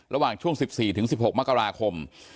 ระหว่างช่วง๑๔๑๖มกราคม